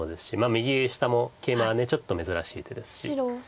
右下もケイマはちょっと珍しい手ですし。